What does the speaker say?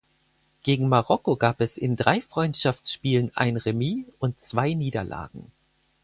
Gegen Marokko gab es in drei Freundschaftsspielen ein Remis und zwei Niederlagen.